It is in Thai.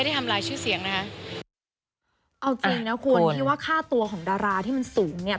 เอาจริงนะครูวันนี้ว่าค่าตัวของดาราที่มันสูงเนี่ย